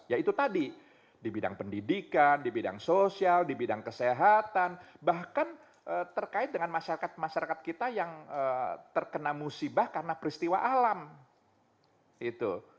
ya itu tadi di bidang pendidikan di bidang sosial di bidang kesehatan bahkan terkait dengan masyarakat masyarakat kita yang terkena musibah karena peristiwa alam gitu